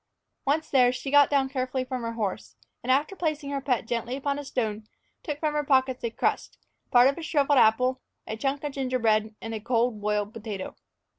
Once there, she got down carefully from her horse and, after placing her pet gently upon a stone, took from her pockets a crust, part of a shriveled apple, a chunk of gingerbread, and a cold boiled potato.